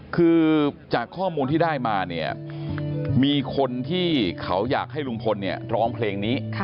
คือจากข้อมูลที่ได้มาเนี่ยมีคนที่เขาอยากให้ลุงพลเนี่ยร้องเพลงนี้